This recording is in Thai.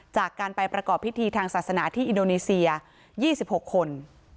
จากการไปประกอบพิธีทางศาสนาที่อินโดนีเซีย๒๖คน